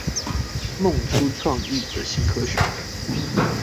夢出創意的新科學